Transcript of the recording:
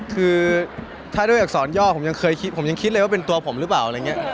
คือถ้าด้วยอักษรย่อผมยังคิดเลยว่าเป็นตัวผมหรือเปล่า